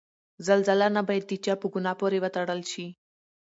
زلزله نه باید د چا په ګناه پورې وتړل شي.